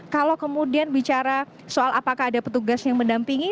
kalau kemudian bicara soal apakah ada petugas yang mendampingi